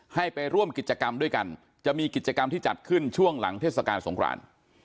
ให้ไปร่วมกิจกรรมด้วยกันจะมีกิจกรรมที่จัดขึ้นช่วงหลังเทศกาลสงคราน